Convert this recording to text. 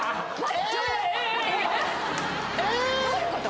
えっ？どういうこと？